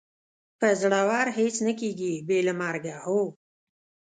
په زړورو هېڅ نه کېږي، بې له مرګه، هو.